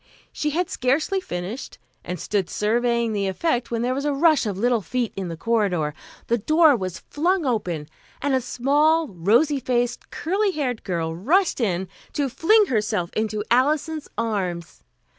She had scarcely finished, and stood surveying the effect, when there was a rush of little feet in the corridor, the door was flung open, and a small, rosy faced curly haired girl rushed in to fling herself into Alison's arms.